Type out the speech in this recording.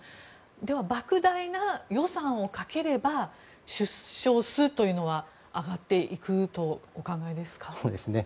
では莫大な予算をかければ出生数というのは上がっていくとお考えですか？